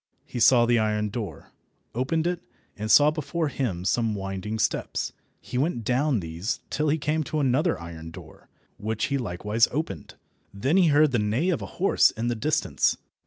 He saw the iron door, opened it, and saw before him some winding steps. He went down these till he came to another iron door, which he likewise opened. Then he heard the neigh of a horse in the distance.